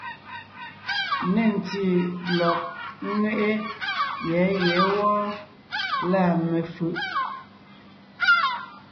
Nê ntí lɔ̀g ńŋeʼe yɛ̌ yɛ̌ wɔ́ɔ, lâ mefʉ̀ʼ.